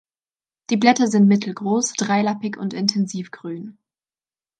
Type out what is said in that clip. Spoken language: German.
Die Blätter sind mittelgroß, dreilappig und intensiv grün.